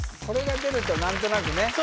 これが出るとなんとなくね